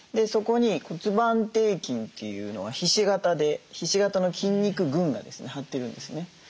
そこに骨盤底筋というのがひし形でひし形の筋肉群がですね張ってるんですね。